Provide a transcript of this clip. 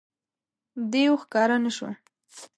دېو ښکاره نه شو.